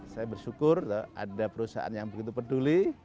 saya bersyukur ada perusahaan yang begitu peduli